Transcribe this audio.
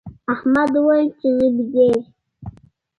احمد وویل چي زه بېدېږم.